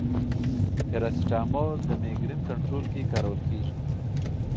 پاراسټامول د مېګرین کنټرول کې کارول کېږي.